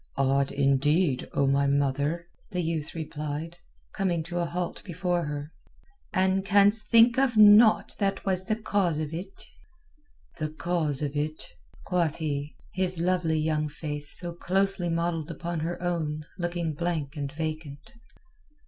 "Odd, indeed, O my mother," the youth replied, coming to a halt before her. "And canst think of naught that was the cause of it?" "The cause of it?" quoth he, his lovely young face, so closely modelled upon her own, looking blank and vacant.